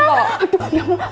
aduh ya mas